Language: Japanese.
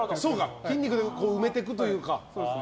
筋肉で埋めてくというか。